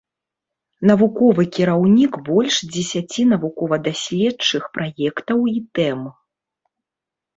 Навуковы кіраўнік больш дзесяці навукова-даследчых праектаў і тэм.